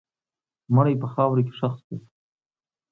مړی په خاوره کې ښخ شو.